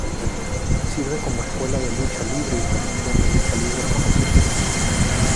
Sirve como escuela de lucha libre y promoción de Lucha Libre Profesional.